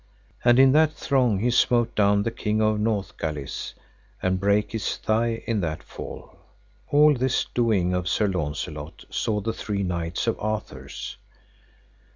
And in that throng he smote down the King of Northgalis, and brake his thigh in that fall. All this doing of Sir Launcelot saw the three knights of Arthur's.